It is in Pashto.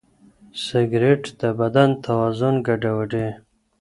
سګریټ د بدن توازن ګډوډوي.